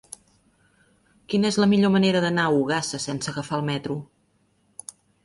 Quina és la millor manera d'anar a Ogassa sense agafar el metro?